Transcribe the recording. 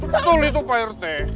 betul itu pak rt